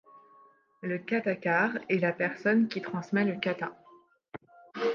Le kathakar est la personne qui transmet le katha.